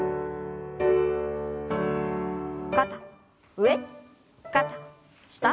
肩上肩下。